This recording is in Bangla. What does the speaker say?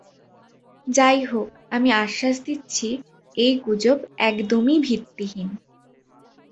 যাইহোক, আমি আশ্বাস দিচ্ছি এই গুজব একদমই ভিত্তিহীন।